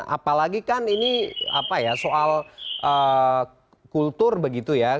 apalagi kan ini soal kultur begitu ya